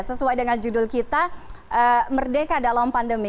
sesuai dengan judul kita merdeka dalam pandemi